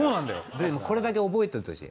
でこれだけ覚えておいてほしい。